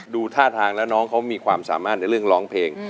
ดูท่าทางแล้วน้องเขามีความสามารถในเรื่องร้องเพลง